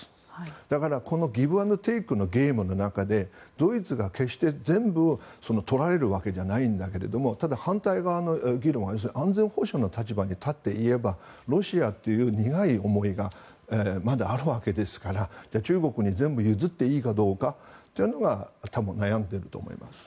だからこのギブ・アンド・テイクのゲームの中でドイツが決して全部を取られるわけじゃないんだけどただ、反対側の議論は安全保障の立場に立っていえばロシアっていう苦い思いがまだあるわけですからじゃあ、中国に全部譲っていいかどうかというのが多分、悩んでいると思います。